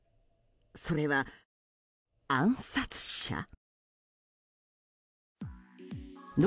それは、暗殺者。